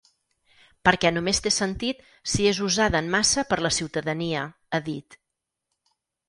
Perquè només té sentit si és usada en massa per la ciutadania, ha dit.